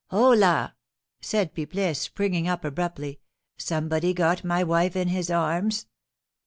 "Holloa!" said Pipelet, springing up abruptly. "Somebody got my wife in his arms!"